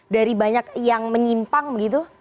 dari banyak yang menyimpang begitu